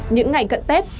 những ngày cận tết